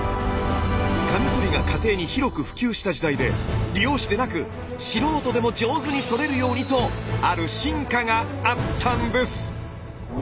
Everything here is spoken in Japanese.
カミソリが家庭に広く普及した時代で理容師でなく素人でも上手にそれるようにとある進化があったんです！